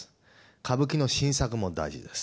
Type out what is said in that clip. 歌舞伎の新作も大事です。